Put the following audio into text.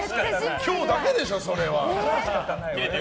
今日だけでしょ、それは。